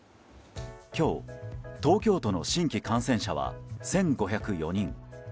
今日、東京都の新規感染者は１５０４人。